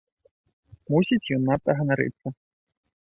Мусіць, ён надта ганарыцца.